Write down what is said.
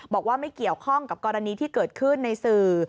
บอกว่าไม่เกี่ยวข้องกับกรณีที่เกิดขึ้นในสื่อ